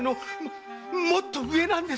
もっと上なんです。